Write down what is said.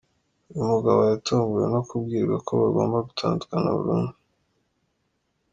Uyu mugabo yatunguwe no kubwirwa ko bagomba gutandukana burundu.